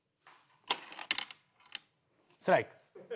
ストライク。